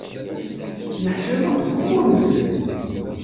Neḥcameɣ deg umur-nsen.